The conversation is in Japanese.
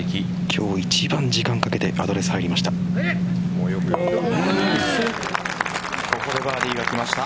今日、一番時間をかけてアドレス入りました。